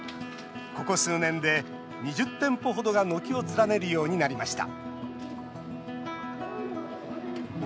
ここ数年で２０店舗ほどが軒を連ねるようになりました。